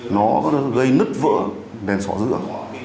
nó gây nứt vỡ đèn sỏ dữa